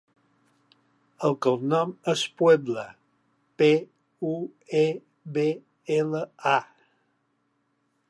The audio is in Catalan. El cognom és Puebla: pe, u, e, be, ela, a.